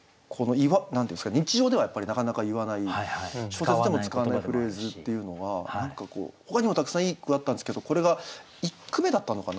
日常ではなかなか言わない小説でも使わないフレーズっていうのはほかにもたくさんいい句あったんですけどこれが１句目だったのかな。